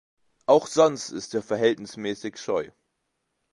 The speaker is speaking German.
Auch sonst ist er verhältnismäßig scheu.